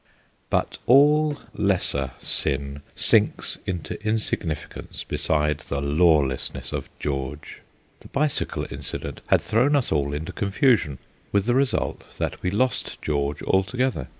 But all lesser sin sinks into insignificance beside the lawlessness of George. The bicycle incident had thrown us all into confusion, with the result that we lost George altogether.